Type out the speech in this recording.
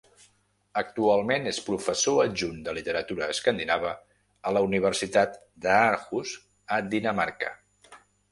Actualment és professor adjunt de literatura escandinava a la Universitat d'Aarhus a Dinamarca.